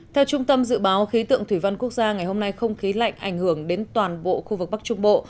theo trung tâm dự báo khí tượng thủy văn quốc gia ngày hôm nay không khí lạnh ảnh hưởng đến toàn bộ khu vực bắc trung bộ